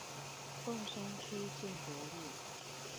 鳳山區建國路